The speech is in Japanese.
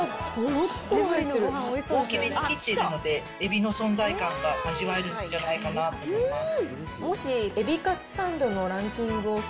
大きめに切っているので、エビの存在感が味わえるんじゃないかなと思います。